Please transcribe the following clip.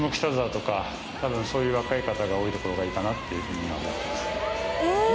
とか多分そういう若い方が多いところがいいかなっていうふうには思ってます